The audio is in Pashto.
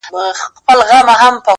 مــروره در څه نـه يمـه ه.